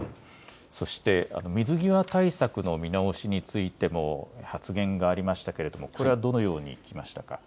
そして水際対策の見直しについても発言がありましたけれどもこれはどのように聞きましたか。